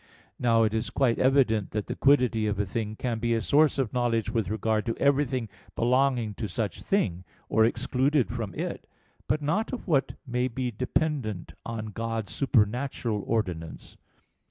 Now it is quite evident that the quiddity of a thing can be a source of knowledge with regard to everything belonging to such thing, or excluded from it; but not of what may be dependent on God's supernatural ordinance.